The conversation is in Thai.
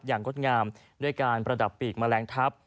งดงามด้วยการประดับปีกแมลงทัพ